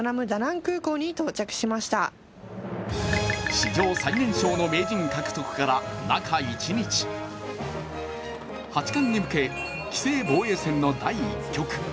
史上最年少の名人獲得から中１日八冠に向け、棋聖防衛戦の第１局。